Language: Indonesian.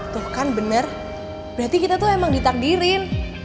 tuh kan bener berarti kita tuh emang ditakdirin